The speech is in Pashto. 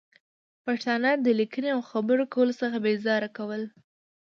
پښتانه د لیکنې او خبرې کولو څخه بې زاره کول